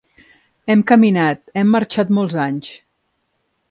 Hem caminat, hem marxat, molts anys.